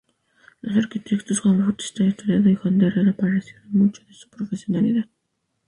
Los arquitectos Juan Bautista de Toledo y Juan de Herrera apreciaron mucho su profesionalidad.